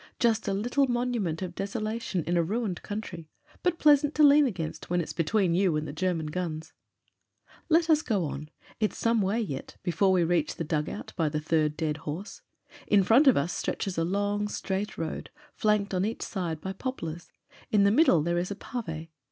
Just a little monument of deso lation in a ruined country, but pleasant to lean against when it's between you and German guns. Let us go on, it's some way yet before we reach the dug out by the third dead horse. In front of us stretches a long, straight road, flanked on each side by poplars. In the middle there is pave.